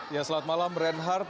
ya selamat malam reinhard